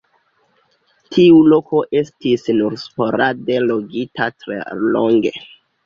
Tiu loko estis nur sporade loĝita tre longe.